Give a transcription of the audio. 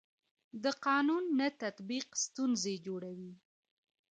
د قانون نه تطبیق ستونزې جوړوي